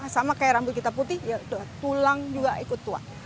sama kayak rambut kita putih tulang juga ikut tua